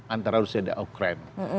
antara rusia dan ukraine